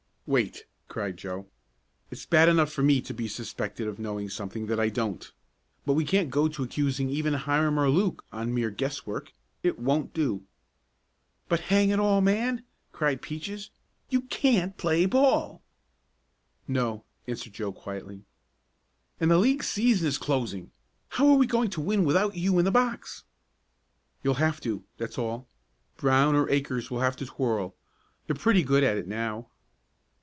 "Wait!" cried Joe. "It's bad enough for me to be suspected of knowing something that I don't, but we can't go to accusing even Hiram or Luke on mere guesswork. It won't do." "But hang it all, man!" cried Peaches. "You can't play ball." "No," answered Joe quietly. "And the league season is closing! How are we going to win without you in the box?" "You'll have to that's all. Brown or Akers will have to twirl they're pretty good at it now."